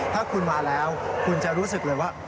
ถ้าคุณมาแล้วคุณจะรู้สึกเลยว่า